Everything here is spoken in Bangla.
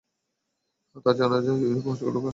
তার জানাযায় বহুসংখ্যক লোকের সমাগম ঘটে।